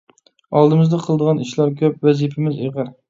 ئالدىمىزدا قىلىدىغان ئىشلار كۆپ، ۋەزىپىمىز ئېغىر.